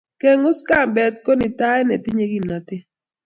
kengus kambet ko nitaet netinyei kimnatet